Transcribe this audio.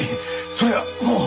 そりゃもう。